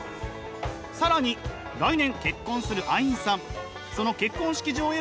更に来年結婚するアインさん。